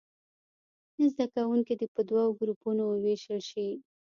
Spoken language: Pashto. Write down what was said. زده کوونکي دې په دوو ګروپونو ووېشل شي.